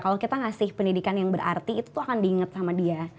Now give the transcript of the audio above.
kalau kita ngasih pendidikan yang berarti itu tuh akan diinget sama dia